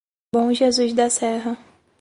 Bom Jesus da Serra